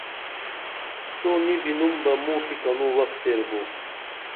تو نی بِنُم بہ موں کی کنُو وخ تیر بو